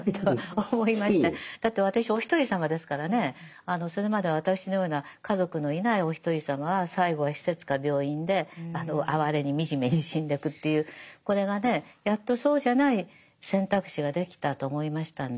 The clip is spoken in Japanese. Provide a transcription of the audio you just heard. だって私おひとりさまですからねそれまでは私のような家族のいないおひとりさまは最後は施設か病院で哀れに惨めに死んでくっていうこれがねやっとそうじゃない選択肢ができたと思いましたんで。